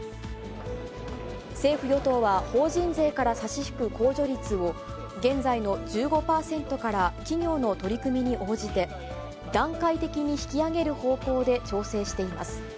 政府・与党は法人税から差し引く控除率を、現在の１５％から、企業の取り組みに応じて、段階的に引き上げる方向で調整しています。